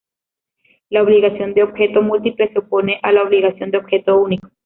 La obligación de objeto múltiple se opone a la obligación de objeto único.